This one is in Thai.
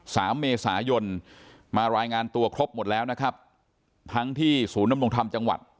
สามเมษายนมารายงานตัวครบหมดแล้วนะครับทั้งที่ศูนย์ดำรงธรรมจังหวัด